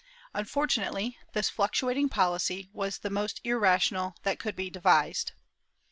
Unfor tunately, this fluctuating policy was the most irrational that could be devised.